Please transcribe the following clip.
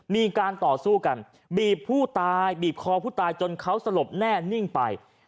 มีการต่อสู้กันบีบผู้ตายบีบคอผู้ตายจนเขาสลบแน่นิ่งไป